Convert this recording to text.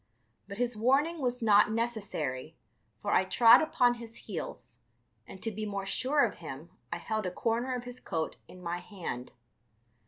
But his warning was not necessary, for I trod upon his heels, and to be more sure of him I held a corner of his coat in my hand.